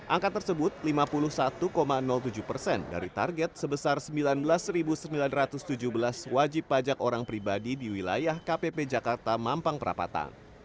angka tersebut lima puluh satu tujuh persen dari target sebesar sembilan belas sembilan ratus tujuh belas wajib pajak orang pribadi di wilayah kpp jakarta mampang perapatan